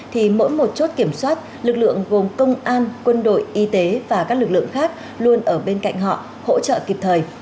thì mỗi một chốt kiểm soát lực lượng gồm công an quân đội y tế và các lực lượng khác luôn ở bên cạnh họ hỗ trợ kịp thời